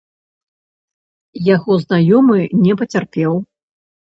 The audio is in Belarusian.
Яго знаёмы не пацярпеў.